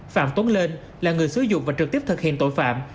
phạm tuấn lên là người sử dụng và trực tiếp thực hiện tội phạm